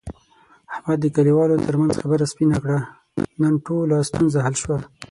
احمد د کلیوالو ترمنځ خبره سپینه کړه. نن ټوله ستونزه حل شوه.